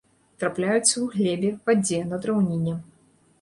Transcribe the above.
Трапляюцца ў глебе, вадзе, на драўніне.